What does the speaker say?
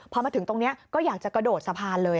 พอมาถึงตรงนี้ก็อยากจะกระโดดสะพานเลย